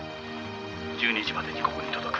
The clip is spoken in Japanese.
１２時までにここに届く」「」